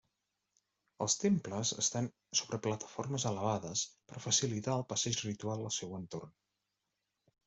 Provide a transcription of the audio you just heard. Els temples estan sobre plataformes elevades per facilitar el passeig ritual al seu entorn.